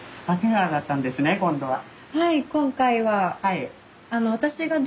はい今回は。